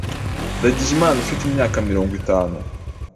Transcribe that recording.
Ndagijimana ufite imyaka mirongwitanu,